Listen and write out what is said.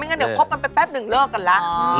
งั้นเดี๋ยวคบกันไปแป๊บนึงเลิกกันแล้ว